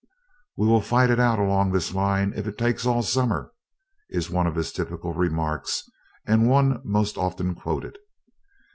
"We will fight it out along this line if it takes all summer," is one of his typical remarks, and one most often quoted.